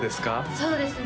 そうですね